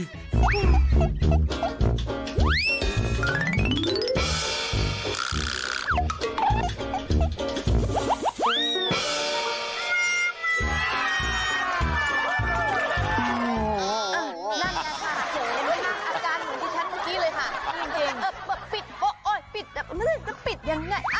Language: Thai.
นั่นแหละค่ะเจ๋ออาการเหมือนที่ฉันเมื่อกี้เลยค่ะ